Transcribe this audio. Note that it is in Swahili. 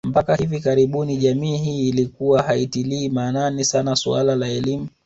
Mpaka hivi karibuni jamii hii ilikuwa haitilii maanani sana suala la elimu